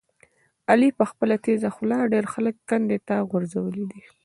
علي په خپله تېزه خوله ډېر خلک کندې ته غورځولي دي.